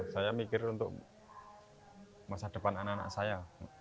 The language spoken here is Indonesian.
saya mikir untuk masa depan anak anak saya